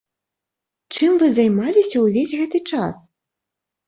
Чым вы займаліся ўвесь гэты час?